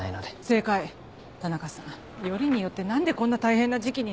正解田中さんよりによって何でこんな大変な時期に。